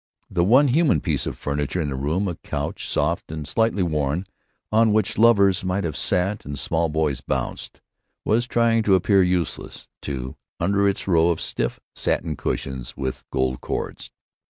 The one human piece of furniture in the room, a couch soft and slightly worn, on which lovers might have sat and small boys bounced, was trying to appear useless, too, under its row of stiff satin cushions with gold cords....